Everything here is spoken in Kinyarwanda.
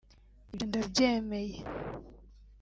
ibyo ndabyemeye